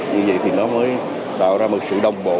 như vậy thì nó mới tạo ra một sự đồng bộ